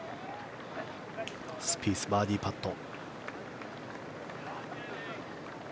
スピース、バーディーパット。